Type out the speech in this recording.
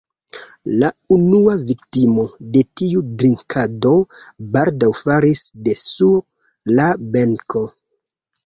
La unua viktimo de tiu drinkado baldaŭ falis de sur la benko.